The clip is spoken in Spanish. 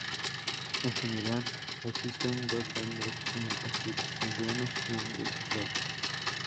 En general, existen dos bandos en la partida: Aldeanos y Hombres Lobo.